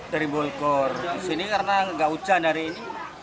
dari bogor sini karena nggak hujan hari ini